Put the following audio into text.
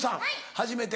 初めて。